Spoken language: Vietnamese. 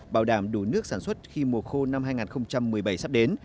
bảo đảm đủ nước sản xuất khi mùa khô năm hai nghìn một mươi bảy sắp đến